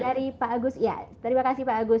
dari pak agus ya terima kasih pak agus